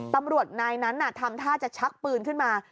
ตำรวจนายนั้นทำท่าจะชักปืนขึ้นมา